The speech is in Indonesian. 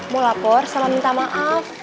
mau lapor sama minta maaf